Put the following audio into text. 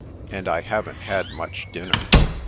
And I haven't had much dinner."